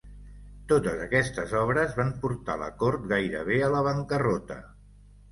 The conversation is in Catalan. Totes aquestes obres van portar la cort gairebé a la bancarrota.